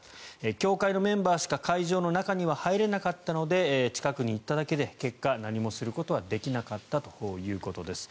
教会のメンバーしか会場の中には入れなかったので近くに行っただけで結果、何もすることはできなかったということです。